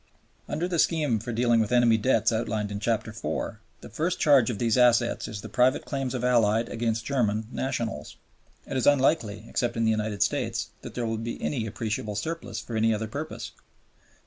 Under the scheme for dealing with enemy debts outlined in Chapter IV., the first charge on these assets is the private claims of Allied against German nationals. It is unlikely, except in the United States, that there will be any appreciable surplus for any other purpose.